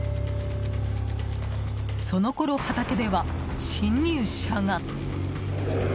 そのころ、畑では侵入者が。